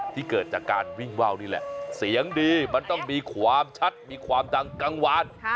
เกิดจากการวิ่งว่าวนี่แหละเสียงดีมันต้องมีความชัดมีความดังกลางวาน